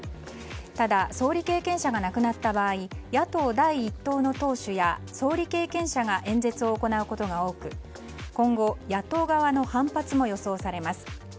ただ総理経験者が亡くなった場合野党第１党の党首や総理経験者が演説を行うことが多く今後、野党側の反発も予想されます。